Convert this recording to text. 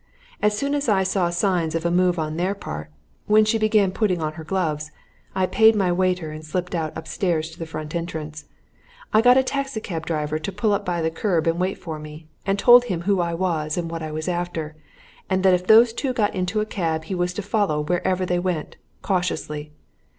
As soon as I saw signs of a move on their part when she began putting on her gloves I paid my waiter and slipped out upstairs to the front entrance. I got a taxi cab driver to pull up by the kerb and wait for me, and told him who I was and what I was after, and that if those two got into a cab he was to follow wherever they went cautiously.